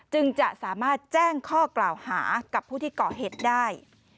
จึงจะสามารถแจ้งข้อกล่าวหากับผู้ที่ก่อเหตุได้